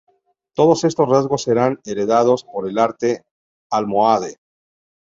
Todos estos rasgos serán heredados por el arte almohade.